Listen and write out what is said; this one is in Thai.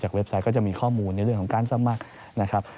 เว็บไซต์ก็จะมีข้อมูลในเรื่องของการสมัครนะครับ